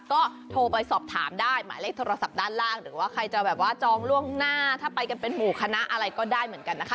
ก็โทรไปสอบถามได้หมายเลขโทรศัพท์ด้านล่างหรือว่าใครจะแบบว่าจองล่วงหน้าถ้าไปกันเป็นหมู่คณะอะไรก็ได้เหมือนกันนะคะ